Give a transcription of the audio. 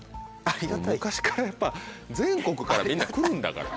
昔からやっぱ全国からみんな来るんだから。